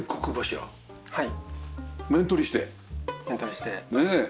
はい。